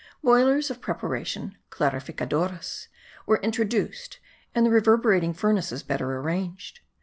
Boilers of preparation (clarificadoras) were introduced and the reverberating furnaces better arranged.